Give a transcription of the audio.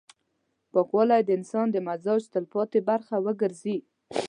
پاکوالی د انسان د مزاج تلپاتې برخه وګرځي.